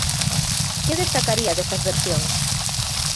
Que destacaría destas versións?